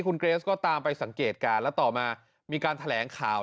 คุณเกรสก็ตามไปสังเกตการณ์แล้วต่อมามีการแถลงข่าว